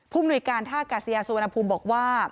มนุยการท่ากาศยาสุวรรณภูมิบอกว่า